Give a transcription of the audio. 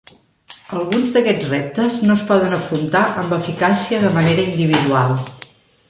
Alguns d'aquests reptes no es poden afrontar amb eficàcia de manera individual.